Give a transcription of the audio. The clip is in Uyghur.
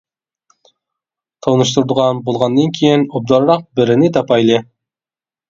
تونۇشتۇرىدىغان بولغاندىن كېيىن ئوبدانراق بىرىنى تاپايلى.